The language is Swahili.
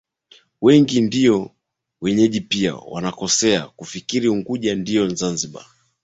Wageni wengi na wenyeji pia wanakosea wakifikiri Unguja ndio Zanzibar